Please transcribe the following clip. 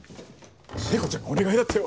聖子ちゃんがお願いだってよ！